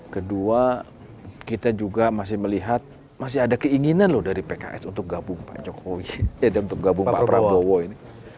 kedua kita juga masih melihat masih ada keinginan loh dari pks untuk gabung pak jokowi untuk gabung pak prabowo ini